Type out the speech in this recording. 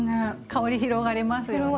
香り広がりますよね。